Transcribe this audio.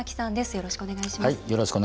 よろしくお願いします。